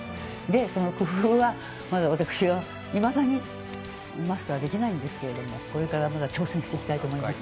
その工夫が、私はいまだにマスターできないんですけれども、これからまだ挑戦していきたいと思います。